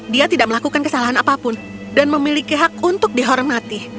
dia tidak melakukan kesalahan apapun dan memiliki hak untuk dihormati